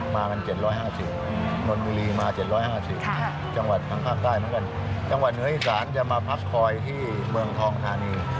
มากัน๗๕๐นนบุรีมา๗๕๐จังหวัดทางภาคใต้เหมือนกันจังหวัดเหนืออีสานจะมาพักคอยที่เมืองทองธานี